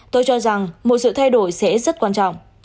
tôi cho rằng một sự thay đổi sẽ rất quan trọng